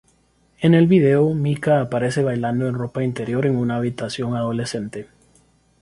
En el video, Mika aparece bailando en ropa interior en una habitación adolescente.